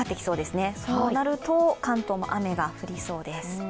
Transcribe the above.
そうなると関東も雨が降りそうです。